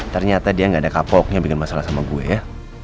ternyata dia gak ada kapoknya bikin masalah sama gue ya